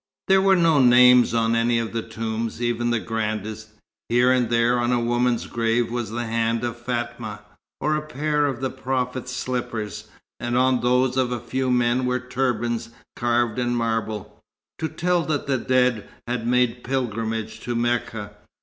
There were no names on any of the tombs, even the grandest. Here and there on a woman's grave was a hand of Fatma, or a pair of the Prophet's slippers; and on those of a few men were turbans carved in marble, to tell that the dead had made pilgrimage to Mecca.